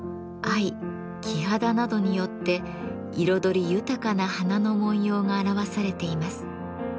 黄蘗などによって彩り豊かな花の紋様が表されています。